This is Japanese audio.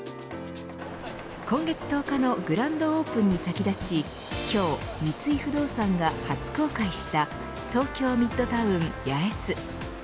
今月１０日のグランドオープンに先立ち今日、三井不動産が初公開した東京ミッドタウン八重洲。